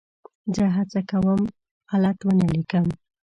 زه هڅه کوم غلط ونه ولیکم.